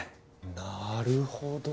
なるほど。